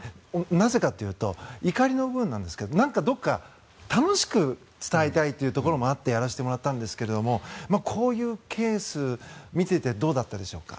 なぜかというと怒りの部分なんですがなんかどこか、楽しく伝えたいというところもあってやらせてもらったんですけどこういうケース見ていてどうだったでしょうか？